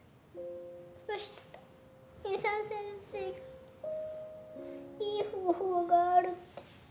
そしたら美沙先生がいい方法があるって。